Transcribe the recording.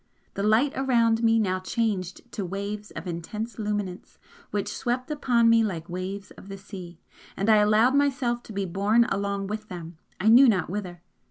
The light around me now changed to waves of intense luminance which swept upon me like waves of the sea and I allowed myself to be borne along with them, I knew not whither.